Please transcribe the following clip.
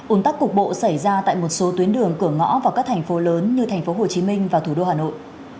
ủn tắc cục bộ xảy ra tại một số tuyến đường cửa ngõ vào các thành phố lớn như thành phố hồ chí minh và thủ đô hà nội